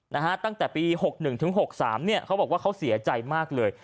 นะฮะตั้งแต่ปี๖๑๖๓เนี่ยเขาบอกว่าเขาเสียใจมากเลย